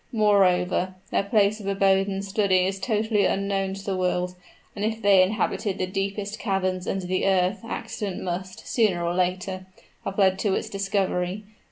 Moreover, their place of abode and study is totally unknown to the world; and if they inhabited the deepest caverns under the earth accident must, sooner or later, have led to its discovery.